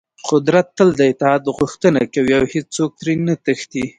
قدرت تل د اطاعت غوښتنه کوي او هېڅوک ترې نه تښتي.